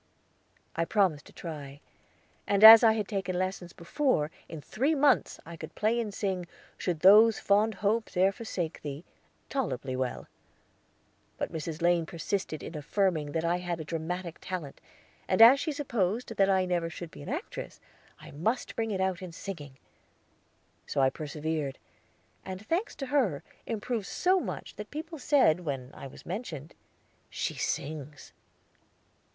I promised to try, and as I had taken lessons before, in three months I could play and sing "Should those fond hopes e'er forsake thee," tolerably well. But Mrs. Lane persisted in affirming that I had a dramatic talent, and as she supposed that I never should be an actress, I must bring it out in singing; so I persevered, and, thanks to her, improved so much that people said, when I was mentioned, "She sings."